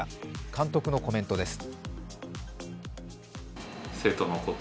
監督のコメントです。